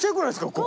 ここ。